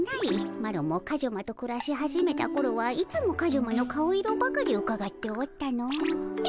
マロもカジュマとくらし始めたころはいつもカジュマの顔色ばかりうかがっておったのう。